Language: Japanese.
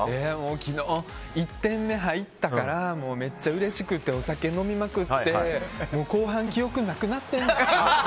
昨日、１点目入ったからめっちゃうれしくってお酒飲みまくって後半、記憶なくなって。